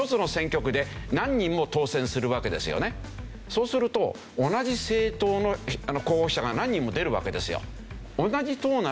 そうすると同じ政党の候補者が何人も出るわけですよ。